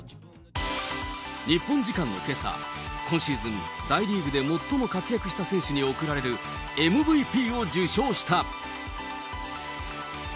日本時間のけさ、今シーズン大リーグで最も活躍した選手に贈られるＭＶＰを受賞した。